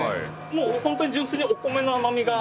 もう本当に純粋にお米の甘みが。